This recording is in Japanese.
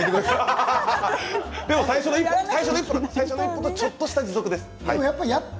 でも最初の一歩とちょっとした持続です。